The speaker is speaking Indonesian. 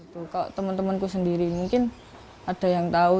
kalau teman temanku sendiri mungkin ada yang tahu